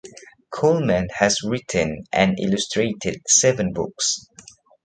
Coleman has written and illustrated seven books.